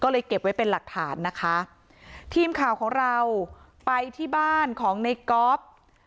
ก็เลยเก็บไว้เป็นหลักฐานนะคะทีมข่าวของเราไปที่บ้านของในก๊อฟ